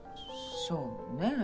そうね。